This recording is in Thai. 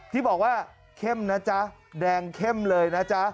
ที่บอกว่าเข้มนะจ๊ะแดงเข้มเลยนะจ๊ะ